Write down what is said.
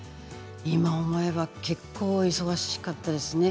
今思えば結構忙しかったですね。